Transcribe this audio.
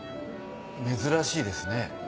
珍しいですね。